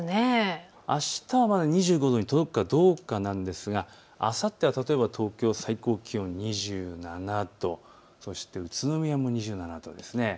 あしたは２５度に届くかどうかなんですが、あさっては例えば東京最高気温２７度、そして宇都宮も２７度です。